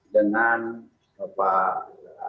dengan pak agus armudji dudoyama atau ahy